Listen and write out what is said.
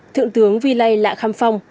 thượng tướng phi lây lạ khăm phong